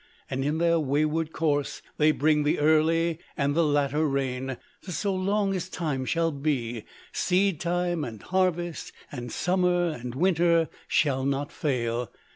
And in their wayward course they bring the early and the latter rain: that so long as time shall be, seed time and harvest and summer and winter shall not fail.